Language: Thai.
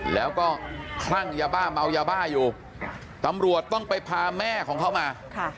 แล้วก็คลั่งยาบ้าเมายาบ้าอยู่ตำรวจต้องไปพาแม่ของเขามา